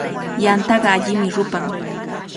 Yantaqa allimi rupan.